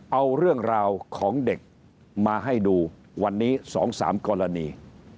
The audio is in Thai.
เอาเรื่องราวของเด็กมาให้ดูวันนี้๒๓กรณี